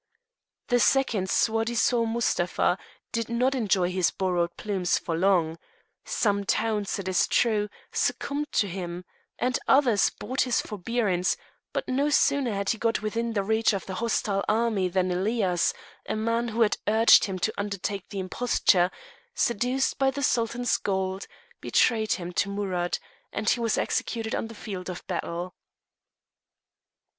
The second soi disant Mustapha did not enjoy his borrowed plumes for long: some towns, it is true, succumbed to him, and others bought his forbearance, but no sooner had he got within reach of the hostile army than Elias, a man who had urged him to undertake the imposture, seduced by the Sultan's gold, betrayed him to Amurath, and he was executed on the field of battle.